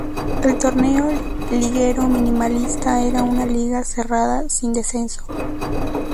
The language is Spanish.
El torneo liguero minimalista era una liga cerrada sin descenso.